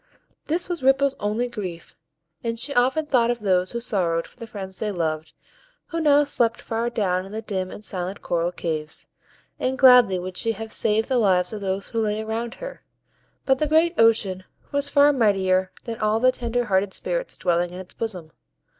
This was Ripple's only grief, and she often thought of those who sorrowed for the friends they loved, who now slept far down in the dim and silent coral caves, and gladly would she have saved the lives of those who lay around her; but the great ocean was far mightier than all the tender hearted Spirits dwelling in its bosom.